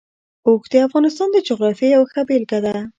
اوښ د افغانستان د جغرافیې یوه ښه بېلګه ده.